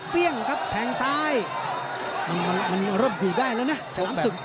ครับแทงซ้ายมันเริ่มขู่ได้แล้วนะฉลามศึก